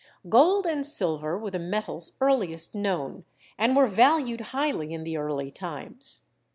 Gold and silver were the metals earliest known and were valued highly in the early times.